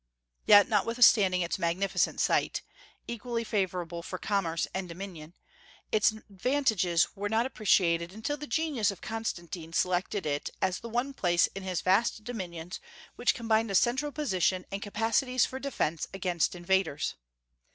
Yet, notwithstanding its magnificent site, equally favorable for commerce and dominion, its advantages were not appreciated until the genius of Constantine selected it as the one place in his vast dominions which combined a central position and capacities for defence against invaders.